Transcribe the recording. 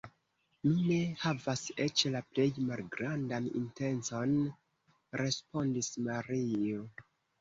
Mi ne havas eĉ la plej malgrandan intencon, respondis Mario.